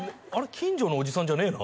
近所のおじさんじゃねえの？